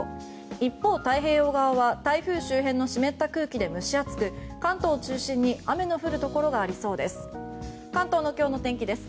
一方、太平洋側は台風周辺の湿った空気で蒸し暑く、関東を中心に雨の降るところがありそうです。